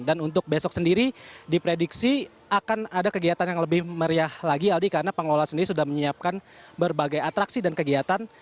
dan untuk besok sendiri diprediksi akan ada kegiatan yang lebih meriah lagi aldi karena pengelola sendiri sudah menyiapkan berbagai atraksi dan kegiatan